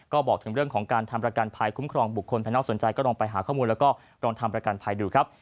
ก็บอกถึงเรื่องของการทำประกันภัยคุ้มครองบุคคลภายนอกสนใจก็ลองไปหาข้อมูลแล้วก็ลองทำประกันภัยดูครับ